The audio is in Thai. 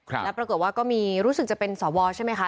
แล้วปรากฏว่าก็มีรู้สึกจะเป็นสวใช่ไหมคะ